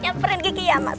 nyamperin gigi ya mas